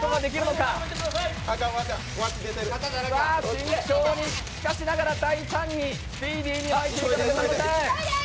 慎重にしかなしがら大胆にスピーディーに巻いていかなければなりません。